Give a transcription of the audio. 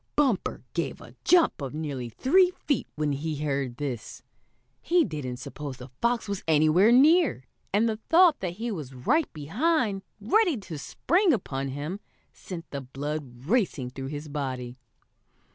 Bumper gave a jump of nearly three feet when he heard this. He didn't suppose the fox was anywhere near, and the thought that he was right behind, ready to spring upon him, sent the blood racing through his body.